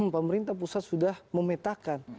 pemerintah pusat sudah memetakan